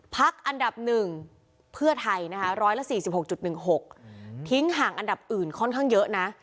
พักอันดับ๑เพื่อไทยนะคะ๑๔๖๑๖ทิ้งห่างอันดับอื่นค่อนข้างเยอะนะ